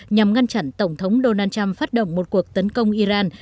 nhằm ngăn chặn tổng thống donald trump phát động một cuộc tấn công iran